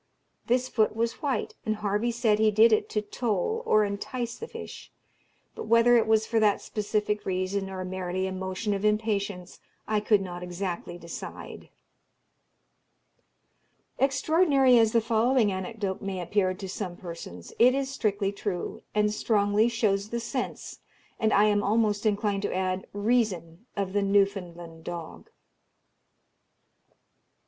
This foot was white, and Harvey said he did it to toll or entice the fish; but whether it was for that specific reason, or merely a motion of impatience, I could not exactly decide." Extraordinary as the following anecdote may appear to some persons, it is strictly true, and strongly shows the sense, and I am almost inclined to add, reason of the Newfoundland dog.